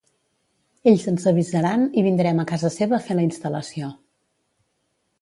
Ells ens avisaran i vindrem a Casa seva a fer la instal·lació.